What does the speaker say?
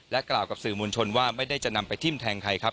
กล่าวกับสื่อมวลชนว่าไม่ได้จะนำไปทิ้มแทงใครครับ